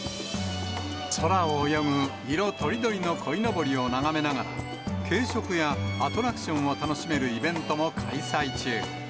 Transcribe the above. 空を泳ぐ色とりどりのこいのぼりを眺めながら、軽食やアトラクションを楽しめるイベントも開催中。